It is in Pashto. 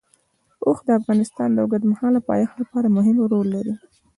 اوښ د افغانستان د اوږدمهاله پایښت لپاره مهم رول لري.